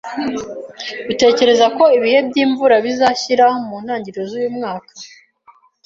Utekereza ko ibihe by'imvura bizashyira mu ntangiriro z'uyu mwaka?